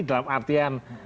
dalam artian apa